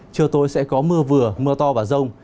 chiều tối sẽ có mưa vừa mưa to và rông